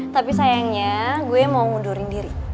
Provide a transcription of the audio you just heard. tapi sayangnya gue mau mundurin diri